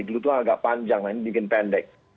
dulu itu agak panjang nah ini bikin pendek